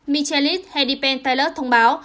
michelis hedipen tyler thông báo